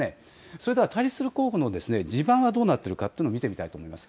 それでは、対立する候補の地盤がどうなっているかというのを見てみたいと思います。